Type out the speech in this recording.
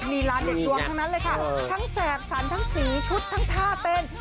มีร้านเด็ดดวงทั้งนั้นเลยค่ะทั้งแสบสันทั้งสีชุดทั้งท่าเต้น